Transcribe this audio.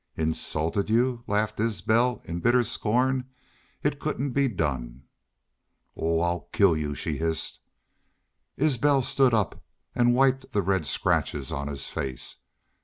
"Insulted you?..." laughed Isbel, in bitter scorn. "It couldn't be done." "Oh! ... I'll KILL y'u!" she hissed. Isbel stood up and wiped the red scratches on his face.